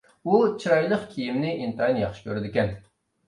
ئۇ چىرايلىق كىيىمنى ئىنتايىن ياخشى كۆرىدىكەن،